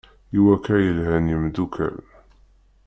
I wakka i lhan yemdukal.